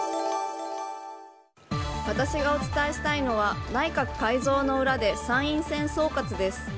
私がお伝えしたいのは内閣改造の裏で参院選総括です。